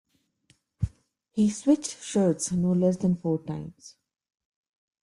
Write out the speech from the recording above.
He 'switched' shirts no less than four times.